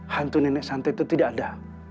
hantu nenek santai itu tidak ada